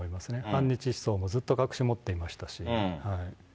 反日思想もずっと隠し持っていましたし。